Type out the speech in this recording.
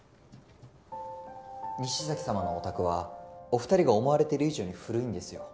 西崎様のお宅はお２人が思われてる以上に古いんですよ。